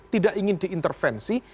tidak ingin diintervensi